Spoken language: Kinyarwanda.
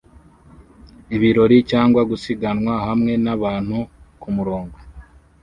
ibirori cyangwa gusiganwa hamwe nabantu kumurongo